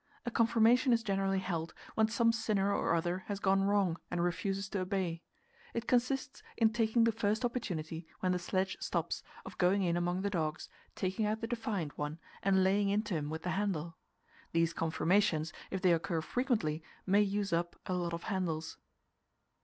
A confirmation is generally held when some sinner or other has gone wrong and refuses to obey. It consists in taking the first opportunity, when the sledge stops, of going in among the dogs, taking out the defiant one, and laying into him with the handle. These confirmations, if they occur frequently, may use up a lot of handles.